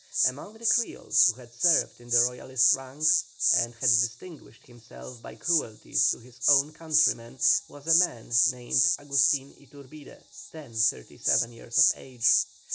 Among the Creoles who had served in the Royalist ranks, and had distinguished himself by cruelties to his own countrymen, was a man named Agustin Iturbide, then thirty seven years of age.